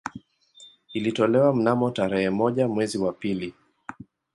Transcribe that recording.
Ilitolewa mnamo tarehe moja mwezi wa pili